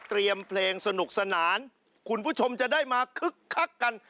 เพลงสนุกสนานคุณผู้ชมจะได้มาคึกคักกัน